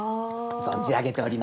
存じ上げております。